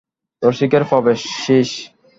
রসিকের প্রবেশ শ্রীশ।